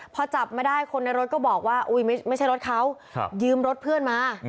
พอจับมาได้คนในรถก็บอกว่าไม่ใช่รถเขายืมรถเพื่อนมา